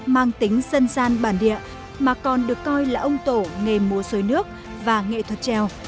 mang tính dân gian bản địa mà còn được coi là ông tổ nghề múa dối nước và nghệ thuật trèo